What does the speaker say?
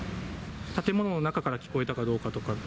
建物の中から聞こえたかどうかとかは。